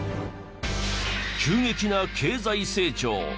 急激な経済成長。